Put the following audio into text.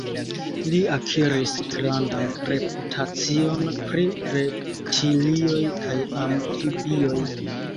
Li akiris grandan reputacion pri reptilioj kaj amfibioj.